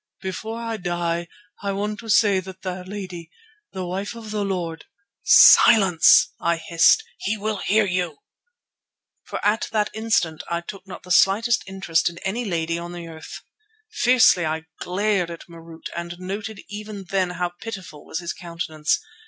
"Before I die I want to say that the lady, the wife of the lord——" "Silence!" I hissed. "He will hear you," for at that instant I took not the slightest interest in any lady on the earth. Fiercely I glared at Marût and noted even then how pitiful was his countenance.